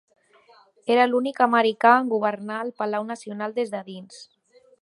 Era l'únic americà en governar el Palau Nacional des de dins.